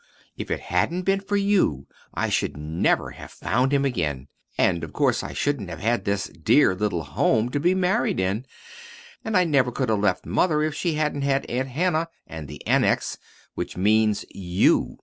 If it hadn't been for you I should never have found him again, and of course I shouldn't have had this dear little home to be married in. And I never could have left mother if she hadn't had Aunt Hannah and the Annex which means you.